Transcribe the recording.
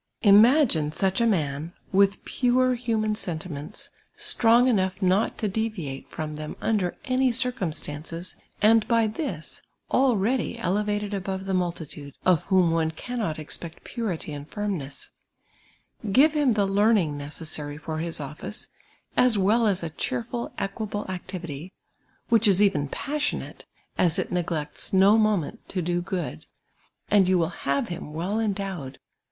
Imagine such a man, with TnZ "TICAB of WAKEFIELD." 3G9 pure human sontimont«*, stron;^ cnoiifxh not to deviate from tliem iindcT any eireumstanrcs, and by this ahtady elevated al)ovc the nmllitndc, of whom one cannot expect purity and iirniness ; ^ive him the learnin'j; nccessjiry for his office, as veil as a cheerful, equable activity, which is even passionate, as it neijlects no moment to do p)()d, — and you will have him well endowed.